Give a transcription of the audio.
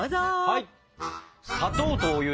はい！